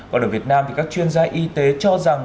còn ở việt nam thì các chuyên gia y tế cho rằng